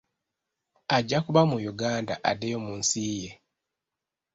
Ajja kuba mu Uganda addeyo mu nsi ye.